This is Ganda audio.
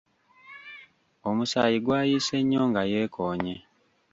Omusaayi gwayiise nnyo nga yeekoonye.